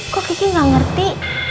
kok kiki gak ngerti